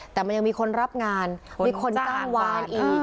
แต่มันยังมีคนรับงานมีคนจ้างวานอีก